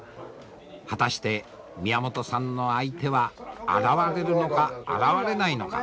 果たして宮本さんの相手は現れるのか現れないのか。